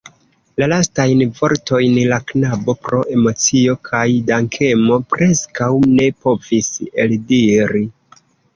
La lastajn vortojn la knabo pro emocio kaj dankemo preskaŭ ne povis eldiri.